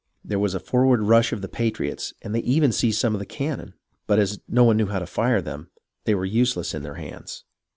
There was a forward rush of the patriots, and they even seized some of the cannon ; but as no one knew how to fire them, they were useless on their hands.